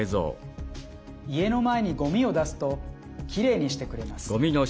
家の前にごみを出すときれいにしてくれます。